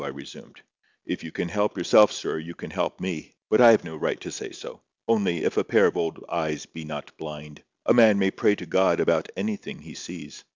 I resumed. "If you can help yourself, sir, you can help me. But I have no right to say so. Only, if a pair of old eyes be not blind, a man may pray to God about anything he sees.